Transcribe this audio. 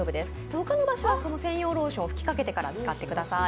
ほかの場所は専用ローションを吹きかけてから使ってください。